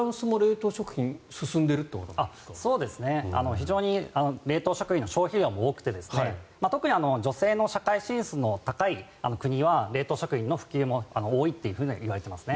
非常に冷凍食品の消費額も多くて特に女性の社会進出の高い国は冷凍食品の普及も多いといわれていますね。